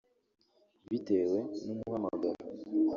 Bitewe n’umuhamagaro